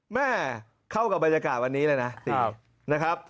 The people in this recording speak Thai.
แม่เข้ากับบรรยากาศวันนี้เลยนะ